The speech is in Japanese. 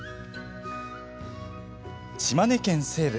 島根県西部。